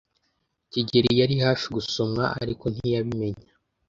kigeli yari hafi gusomwa, ariko ntiyabimenya.